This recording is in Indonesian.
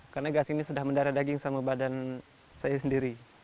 karena gasing ini sudah mendara daging sama badan saya sendiri